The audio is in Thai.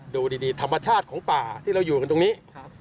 ดูดีธรรมชาติของป่าที่เราอยู่กันตรงนี้